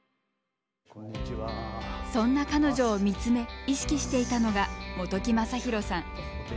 そんな彼女を見つめ意識していたのが本木雅弘さん。